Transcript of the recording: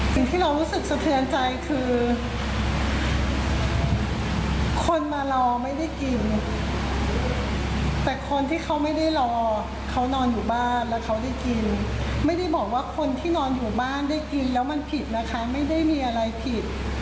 สิ่งที่เรารู้สึกสะเทือนใจคือคนมารอไม่ได้กินแต่คนที่เขาไม่ได้รอเขานอนอยู่บ้านแล้วเขาได้กินไม่ได้บอกว่าคนที่นอนอยู่บ้านได้กินแล้วมันผิดนะคะไม่ได้มีอะไรผิด